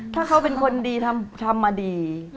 ถ้าเขาเป็นคนดีทำมาดี